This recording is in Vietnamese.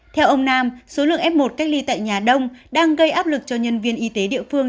theo ông nam số lượng f một cách ly tại nhà đông đang gây áp lực cho nhân viên y tế địa phương